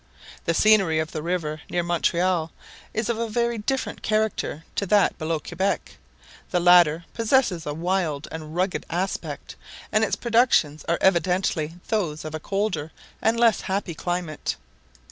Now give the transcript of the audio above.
The scenery of the river near Montreal is of a very different character to that below Quebec; the latter possesses a wild and rugged aspect, and its productions are evidently those of a colder and less happy climate.